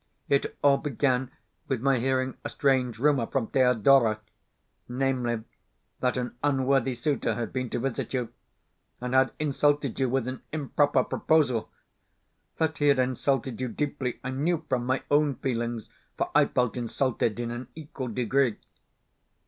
It all began with my hearing a strange rumour from Thedora namely, that an unworthy suitor had been to visit you, and had insulted you with an improper proposal. That he had insulted you deeply I knew from my own feelings, for I felt insulted in an equal degree.